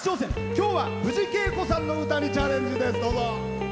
今日は藤圭子さんの歌にチャレンジです。